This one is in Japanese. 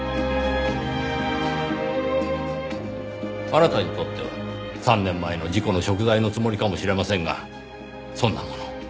あなたにとっては３年前の事故の贖罪のつもりかもしれませんがそんなもの